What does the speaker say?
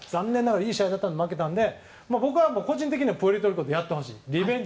いい試合だったのに負けたので個人的にはプエルトリコとやってほしい。